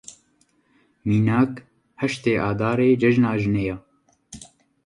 Mînak, heştê Avdarê Cejna Jinê ye.